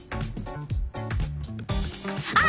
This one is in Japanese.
あ！